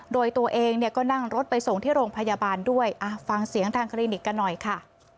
โดยตัวเองเนี่ยก็นั่งรถไปส่งที่โรงพยาบาลด้วยฟังเสียงทางคลินิกกันหน่อยค่ะ